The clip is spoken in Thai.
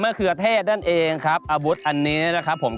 เขือเทศนั่นเองครับอาวุธอันนี้นะครับผม